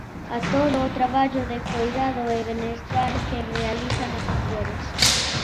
A todo o traballo de coidado e benestar que realizan as mulleres.